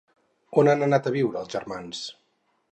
On han anat a viure els germans?